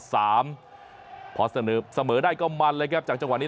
ดังนั้นเสมอได้ก็มันนะครับจากจังหวะนี้